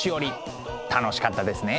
楽しかったですね。